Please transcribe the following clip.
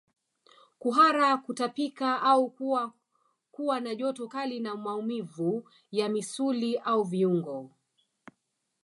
Kuhara kutapika au kuwa kuwa na joto kali na maumivu ya misuli au viungo